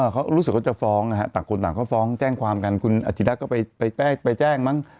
เขารู้สึกเขาจะฟ้องนะฮะต่างคนต่างเขาฟ้องแจ้งความกันคุณอาชิระก็ไปแจ้งมั้ง